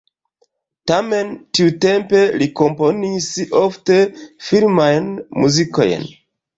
Tamen tiutempe li komponis ofte filmajn muzikojn.